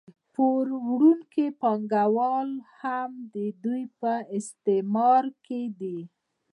پور ورکوونکي پانګوال هم د دوی په استثمار کې دي